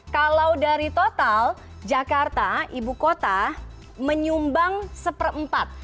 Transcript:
kalau dari total jakarta ibu kota menyumbang seperempat